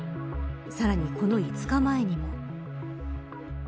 さらに、この５日前にも。